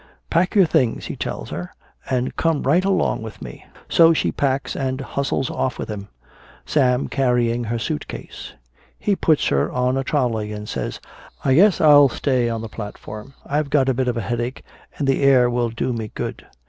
'Pack your things,' he tells her, 'and come right along with me.' So she packs and hustles off with him Sam carrying her suit case. He puts her on a trolley and says, 'I guess I'll stay on the platform. I've got a bit of a headache and the air will do me good.'